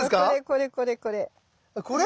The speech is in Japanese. これこれこれこれ。